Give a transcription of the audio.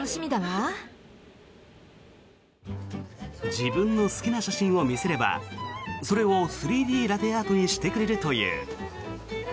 自分の好きな写真を見せればそれを３Ｄラテアートにしてくれるという。